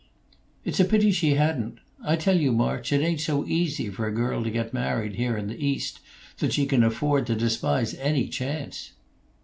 "It's a pity she hadn't. I tell you, March, it ain't so easy for a girl to get married, here in the East, that she can afford to despise any chance."